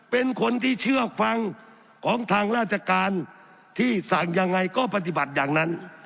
เป็นคนที่เชื่อฟังของทางราชการที่สั่งยังไงก็ปฏิบัติอย่างนั้น